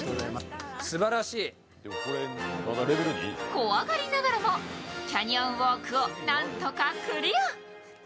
怖がりながらもキャニオンウォークを何とかクリア。